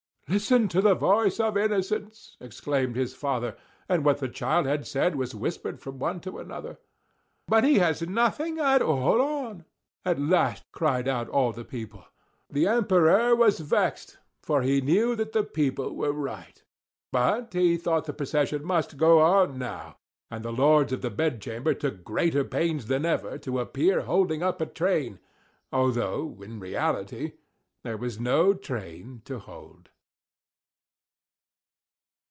"Listen to the voice of innocence!" exclaimed his father; and what the child had said was whispered from one to another. "But he has nothing at all on!" at last cried out all the people. The Emperor was vexed, for he knew that the people were right; but he thought the procession must go on now! And the lords of the bedchamber took greater pains than ever, to appear holding up a train, although, in reality, there was no train to hold.